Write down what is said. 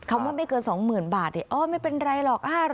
คำว่าไม่เกิน๒๐๐๐บาทไม่เป็นไรหรอก